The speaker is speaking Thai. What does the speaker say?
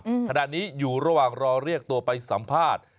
ขณะนี้อยู่ระหว่างรอเรียกตัวไปสัมภาษณ์